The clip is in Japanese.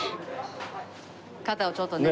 肩をちょっとね。